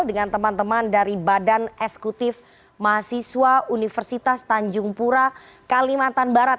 dengan teman teman dari badan eksekutif mahasiswa universitas tanjung pura kalimantan barat